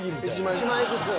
１枚ずつ。